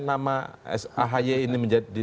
nama ahe ini menjadi